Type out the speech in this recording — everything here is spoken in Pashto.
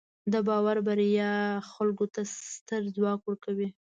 د باور بریا خلکو ته ستر ځواک ورکوي.